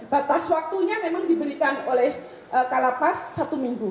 batas waktunya memang diberikan oleh kalapas satu minggu